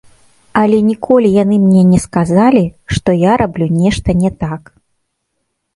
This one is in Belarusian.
Але ніколі яны мне не сказалі, што я раблю нешта не так.